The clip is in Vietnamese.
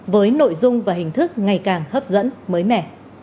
với nội dung và hình thức ngày càng hấp dẫn mới mẻ